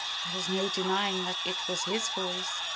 _ There was no denying that it was his voice.